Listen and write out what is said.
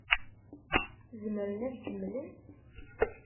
Zemren ad kemmlen?